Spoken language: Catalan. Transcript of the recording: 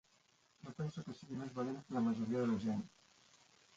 No penso que sigui més valent que la majoria de la gent.